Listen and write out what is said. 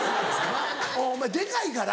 お前デカいから。